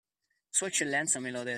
Sua Eccellenza me lo ha detto.